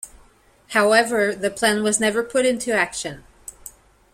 However the plan was never put into action.